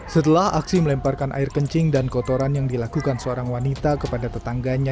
setelah aksi melemparkan air kencing dan kotoran yang dilakukan seorang wanita kepada tetangganya